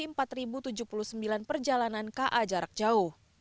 ketika perjalanan perjalanan ka jarak jauh